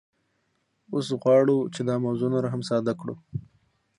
اوس غواړو چې دا موضوع نوره هم ساده کړو